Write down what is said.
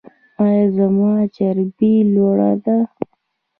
ایا زما چربي لوړه ده؟